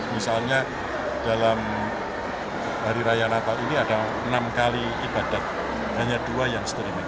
misalnya dalam hari raya natal ini ada enam kali ibadat hanya dua yang streaming